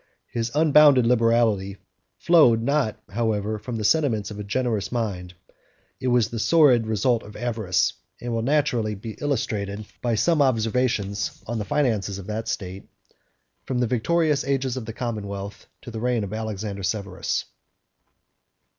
His unbounded liberality flowed not, however, from the sentiments of a generous mind; it was the sordid result of avarice, and will naturally be illustrated by some observations on the finances of that state, from the victorious ages of the commonwealth to the reign of Alexander Severus.